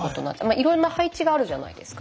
いろんな配置があるじゃないですか。